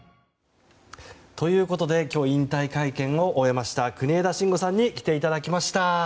ということで今日、引退会見を終えました国枝慎吾さんに来ていただきました。